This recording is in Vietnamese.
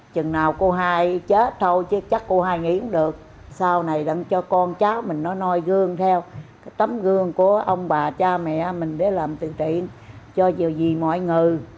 chừng nào cô hai chết thôi chứ chắc cô hai nghĩ không được sau này cho con cháu mình nó nôi gương theo tấm gương của ông bà cha mẹ mình để làm từ thiện cho nhiều gì mọi người